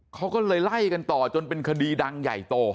เขาก็เลยไล่กันต่อจนเป็นคดีดังใหญ่โต